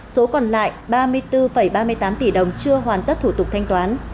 số còn lại ba mươi bốn ba mươi tám tỷ đồng chưa hoàn tất thủ tục thanh toán